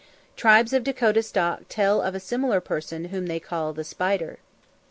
Tribes of Dakota stock tell of a similar person whom they call "the spider."